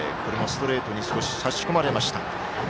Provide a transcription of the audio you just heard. ストレートに少し差し込まれました。